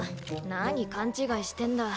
何勘違いしてんだ。